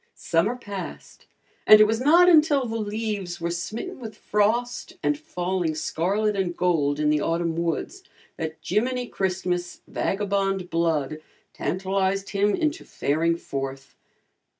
Summer passed, and it was not until the leaves were smitten with frost and falling scarlet and gold in the autumn woods that Jiminy Christmas' vagabond blood tantalized him into faring forth.